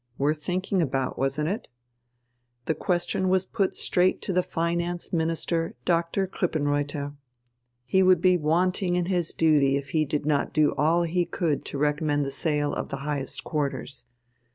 Worth thinking about, wasn't it? The question was put straight to the Finance Minister, Dr. Krippenreuther. He would be wanting in his duty if he did not do all he could to recommend the sale in the highest quarters.